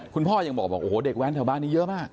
คุณพ่อยังบอกว่าเด็กแว่นแถวบ้านนี้เยอะมาก